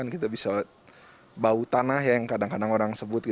kita bisa bau tanah yang kadang kadang orang sebut